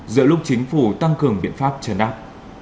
giữa lúc chính phủ tăng cường biện pháp chấn áp